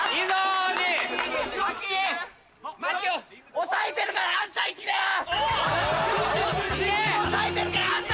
押さえてるからあんた！